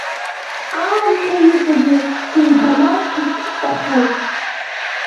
Аамҭа иҵегьы сеибанарфарц сҭахын.